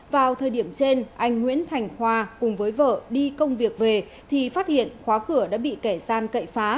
vào thời điểm trên anh nguyễn thành khoa cùng với vợ đi công việc về thì phát hiện khóa cửa đã bị kẻ gian cậy phá